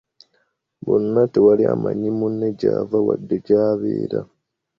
Bonna tewali amanyi munne gy'ava wadde gy'abeera.